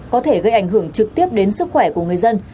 có thể gây ảnh hưởng trực tiếp đến sức khỏe của người dân